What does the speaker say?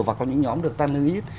và có những nhóm được tăng lương ít